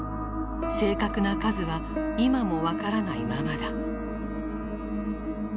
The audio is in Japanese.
正確な数は今も分からないままだ。